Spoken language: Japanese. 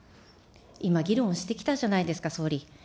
今、議論してきたじゃないですか、総理。